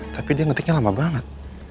tapi dia ngetiknya lama banget